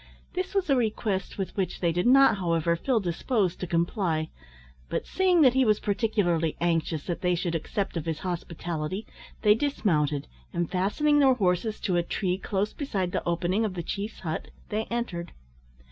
This was a request with which they did not, however, feel disposed to comply; but seeing that he was particularly anxious that they should accept of his hospitality, they dismounted, and, fastening their horses to a tree close beside the opening of the chief's hut, they entered.